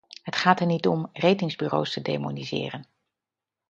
Het gaat er niet om ratingbureaus te demoniseren.